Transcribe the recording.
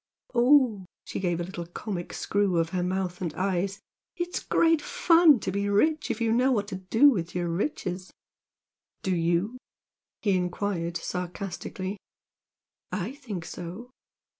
O ooh!" and she gave a comic little screw of her mouth and eyes "It's great fun to be rich if you know what to do with your riches!" "Do YOU?" he enquired, sarcastically. "I think so!"